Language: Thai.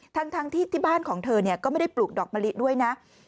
ทั้งที่ที่บ้านของเธอก็ไม่ได้ปลูกดอกมะลิด้วยนะ